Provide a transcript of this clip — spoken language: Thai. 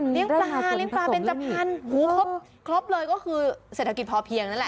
ปลาเลี้ยงปลาเบนจพันหูครบครบเลยก็คือเศรษฐกิจพอเพียงนั่นแหละ